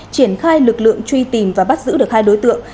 triển khai lực lượng truy tìm và bắt giữ được hai đối tượng